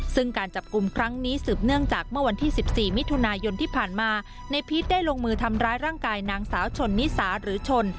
ซึ่งการจับกลุ่มครั้งนี้สืบเนื่องจากเมื่อวันที่๑๔มิถุนายนที่ผ่านมาในพีชได้ลงมือทำร้ายร่างกายนางสาวชนนิสาหรือชน